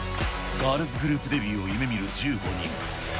ガールズグループデビューを夢みる１５人。